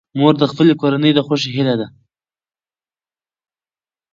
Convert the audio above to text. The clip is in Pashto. مور د خپلې کورنۍ د خوښۍ هیله لري.